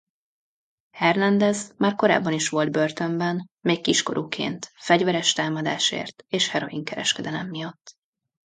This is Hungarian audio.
Hernandez már korábban is volt börtönben még kiskorúként fegyveres támadásért és heroin kereskedelem miatt.